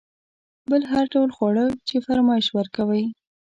بل هر ډول خواړه چې فرمایش ورکوئ.